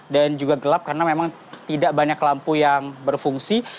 dan juga gelap karena memang tidak banyak lampu yang berfungsi